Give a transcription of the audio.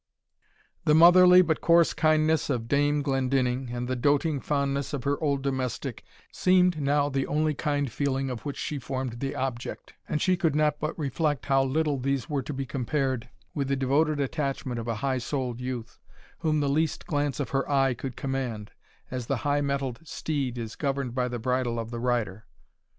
The motherly, but coarse kindness of Dame Glendinning, and the doating fondness of her old domestic, seemed now the only kind feeling of which she formed the object; and she could not but reflect how little these were to be compared with the devoted attachment of a high souled youth, whom the least glance of her eye could command, as the high mettled steed is governed by the bridle of the rider.